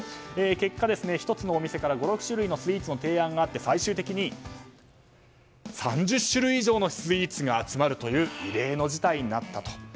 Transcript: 結果、１つのお店から５６種類のスイーツの提案があって最終的に３０種類以上のスイーツが集まるという異例の事態になった。